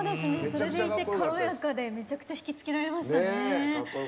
それでいて軽やかでめちゃくちゃ引き付けられましたね。